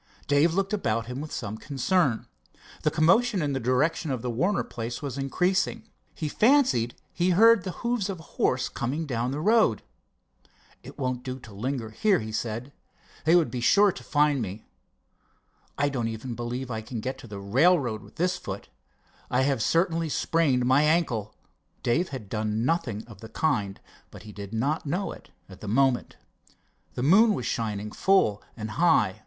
Dave looked about him with some concern. The commotion in the direction of the Warner place was increasing. He fancied he heard the hoofs of a horse coming down the road. "It won't do to linger here," he said. "They would be sure to find me. I don't believe I can get to the railroad with this foot. I have certainly sprained my ankle." Dave had done nothing of the kind, but he did not know it at the moment. The moon was shining full and high.